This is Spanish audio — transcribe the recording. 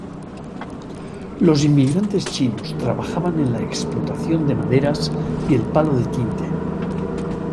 Los inmigrantes chinos trabajaban en la explotación de maderas y el palo de tinte.